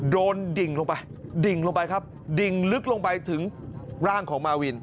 โดนดิ่งลงไปดิ่งลึกลงไปถึงร่างของมาวิน